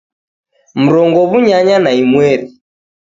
Mrongo w'unyanya na imweri